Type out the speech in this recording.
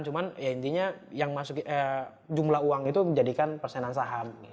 cuman ya intinya yang masuk jumlah uang itu menjadikan persenan saham